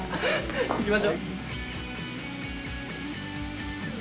行きましょ。